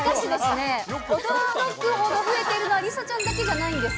驚くほど増えているのは梨紗ちゃんだけじゃないんです。